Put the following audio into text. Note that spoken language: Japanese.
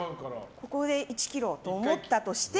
ここで１ｋｇと思ったとして。